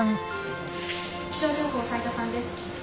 気象情報斉田さんです。